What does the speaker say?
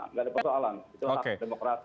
nggak ada persoalan itu hak demokrasi